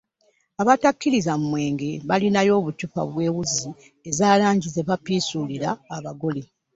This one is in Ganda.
Abatakkiririza mu mwenge balinayo obucupa bw’ewuzi eza langi ze bapiisuulira abagole.